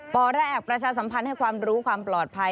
แรกประชาสัมพันธ์ให้ความรู้ความปลอดภัย